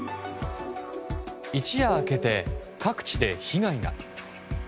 一夜明けて各地で被害が。